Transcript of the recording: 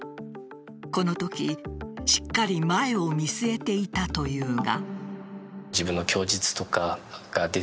このとき、しっかり前を見据えていたというが。